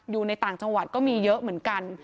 อยู่ในต่างจังหวัดก็มีเยอะเหมือนกัน